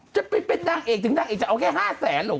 จะเป็นนางเอกถึงนางเอกจะเอาแค่๕แสนเหรอ